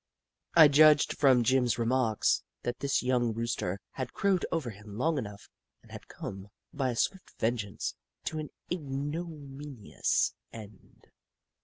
I judged from Jim's remarks, that this young Rooster had crowed over him long enough and had come, by a swift vengeance, to an ignominious end.